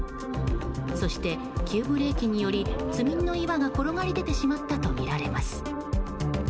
そして、急ブレーキにより積み荷の岩が転がり出てしまったとみられます。